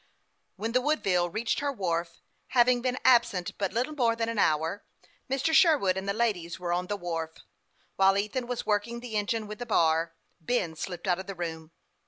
When the Woodville reached her wharf, having been* absent but little more than an hour, Mr. Sher wood and the ladies were on the wharf. While Ethan was working the engine with the bar, Ben slipped out of the room.